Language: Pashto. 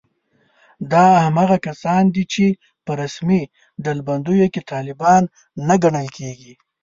دا هماغه کسان دي چې په رسمي ډلبندیو کې طالبان نه ګڼل کېږي